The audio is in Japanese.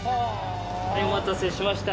お待たせしました。